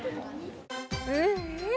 うんうん！